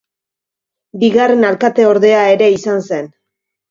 Bigarren alkate-ordea ere izan zen.